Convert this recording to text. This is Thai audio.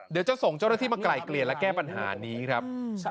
เดี๋ยวจะส่งเจ้าหน้าที่มาไกลเกลี่ยและแก้ปัญหานี้ครับ